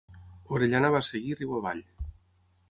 Orellana va seguir riu avall.